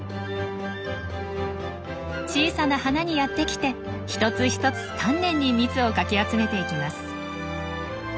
小さな花にやってきて一つ一つ丹念に蜜をかき集めていきます。